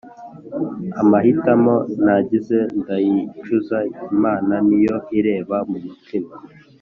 amahitamo nagize ndayicuza, imana niyo ireba m’umutima